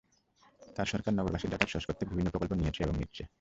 তাঁর সরকার নগরবাসীর যাতায়াত সহজ করতে বিভিন্ন প্রকল্প নিয়েছে এবং নিচ্ছে।